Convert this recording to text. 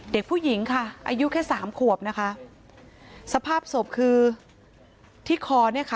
เด็กผู้หญิงค่ะอายุแค่สามขวบนะคะสภาพศพคือที่คอเนี่ยค่ะ